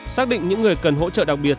xác định những người cần hỗ trợ đặc biệt